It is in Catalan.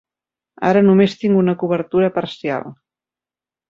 Ara només tinc una cobertura parcial.